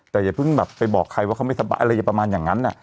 แต่อย่าเพิ่งแบบไปบอกใครว่าเขาไม่สบายอะไรประมาณอย่างนั้น